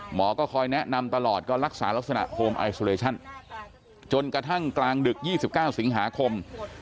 หมอก็คอยแนะนำตลอดก็รักษาลักษณะโฮมไอซูเลชั่นจนกระทั่งกลางดึก๒๙สิงหาคม